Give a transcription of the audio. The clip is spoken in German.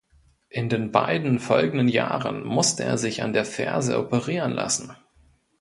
In den beiden folgenden Jahren musste er sich an der Ferse operieren lassen.